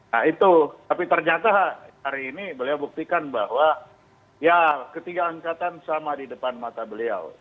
nah itu tapi ternyata hari ini beliau buktikan bahwa ya ketiga angkatan sama di depan mata beliau